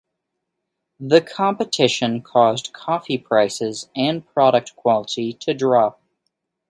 The competition caused coffee prices and product quality to drop.